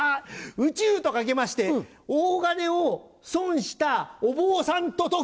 宇宙と掛けまして大金を損したお坊さんと解く。